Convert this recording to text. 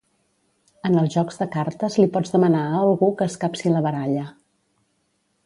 En els jocs de cartes li pots demanar a algú que escapci la baralla